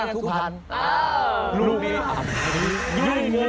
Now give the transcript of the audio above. ก็ยังไปกันฮ่ะจะไปไหนนะก็ยังไปกัน